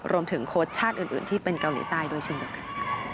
โค้ชชาติอื่นที่เป็นเกาหลีใต้ด้วยเช่นเดียวกัน